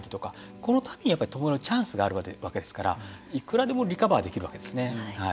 このたびに弔うチャンスがあるわけですからいくらでもリカバーできるわけですね。